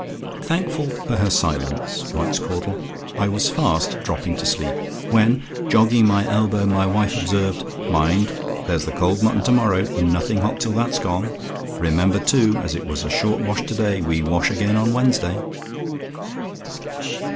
"Thankful for her silence," writes Caudle, "I was fast dropping to sleep; when, jogging my elbow, my wife observed 'Mind, there's the cold mutton to morrow nothing hot till that's gone. Remember, too, as it was a short wash to day, we wash again on Wednesday.'"